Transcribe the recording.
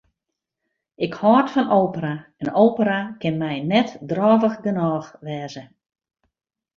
Ik hâld fan opera en opera kin my net drôvich genôch wêze.